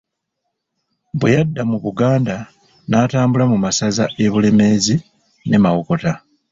Bwe yadda ku Buganda n'atambula mu masaza e Bulemeezi ne Mawokota.